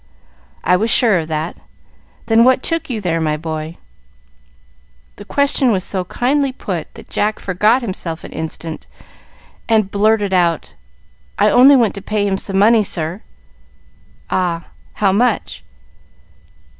"I was sure of that. Then what took you there, my boy?" The question was so kindly put that Jack forgot himself an instant, and blurted out, "I only went to pay him some money, sir." "Ah, how much?"